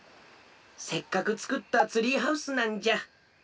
せっかくつくったツリーハウスなんじゃ。